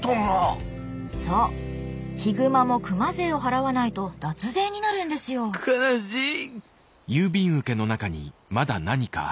そうヒグマも熊税を払わないと脱税になるんですよ悲しい。